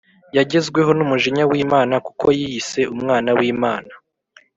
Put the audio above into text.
yagezweho n’umujinya w’imana kuko yiyise umwana w’imana